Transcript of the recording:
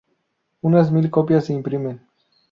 Unas mil copias se imprimen.